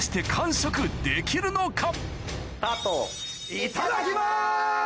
・いただきます！